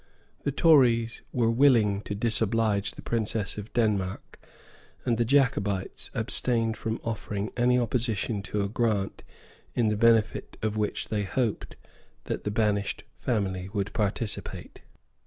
The Tories were unwilling to disoblige the Princess of Denmark; and the Jacobites abstained from offering any opposition to a grant in the benefit of which they hoped that the banished family would participate.